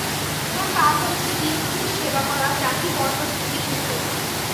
তোর কাজ হচ্ছে দীনদুঃখীর সেবা করা জাতিবর্ণ নির্বিশেষে।